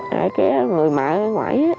mẹ ké người mẹ người ngoại